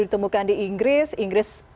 ditemukan di inggris inggris